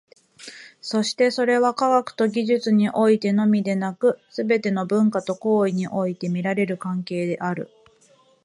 そしてそれは、科学と技術においてのみでなく、すべての文化と行為において見られる関係である。